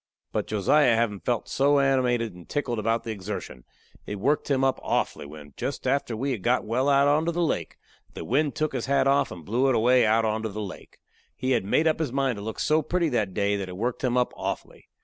But Josiah havin' felt so animated and tickled about the exertion, it worked him up awfully when, jest after we had got well out onto the lake, the wind took his hat off and blew it away out onto the lake. He had made up his mind to look so pretty that day that it worked him up awfully.